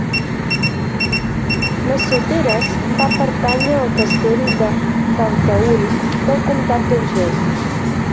Massoteres va pertànyer al castell de Talteüll, del comtat d'Urgell.